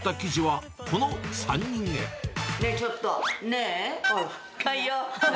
ねえ、ちょっと、ねえ。